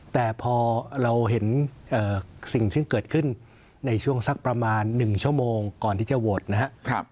แต่พอเราเห็นสิ่งซึ่งเกิดขึ้นในช่วงสักประมาณ๑ชั่วโมงก่อนที่จะโหวตนะครับ